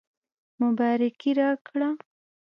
مبارکي راکړه.